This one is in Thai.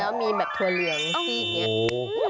แล้วมีแบบถั่วเหลืองที่เนี่ย